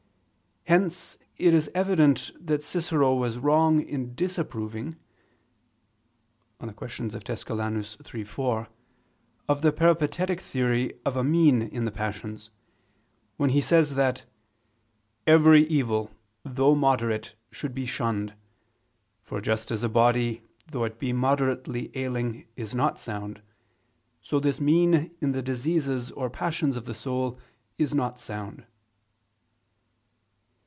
Hence it is evident that Cicero was wrong in disapproving (De Tusc. Quaest. iii, 4) of the Peripatetic theory of a mean in the passions, when he says that "every evil, though moderate, should be shunned; for, just as a body, though it be moderately ailing, is not sound; so, this mean in the diseases or passions of the soul, is not sound."